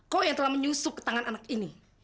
kau yang telah menyusuk tangan anak ini